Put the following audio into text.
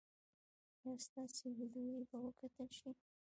ایا ستاسو ویډیو به وکتل شي؟